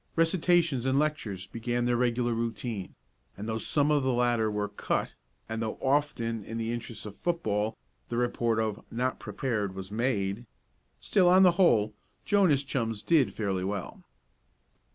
Recitations and lectures began their regular routine, and though some of the latter were "cut," and though often in the interests of football the report of "not prepared" was made, still on the whole Joe and his chums did fairly well.